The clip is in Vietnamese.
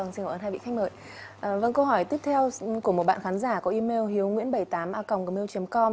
câu hỏi tiếp theo của một bạn khán giả có email hiu nguyen bảy mươi tám a gmail com